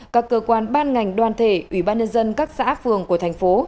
các cơ quan ban ngành đoàn thể ủy ban nhân dân các xã phường của thành phố